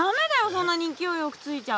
そんなにいきおいよくふいちゃ。